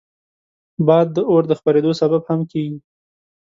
باد د اور د خپرېدو سبب هم کېږي